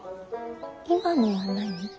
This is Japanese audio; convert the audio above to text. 今のは何。